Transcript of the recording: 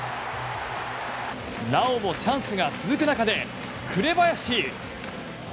なおもチャンスが続く中で紅林。